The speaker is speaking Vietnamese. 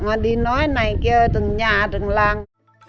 mà đi nói này kia từng nhà từng làng